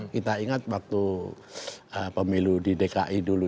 kita ingat waktu pemilu di dki dulu